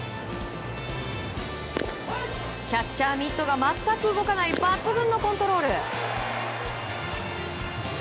キャッチャーミットが全く動かない抜群のコントロール！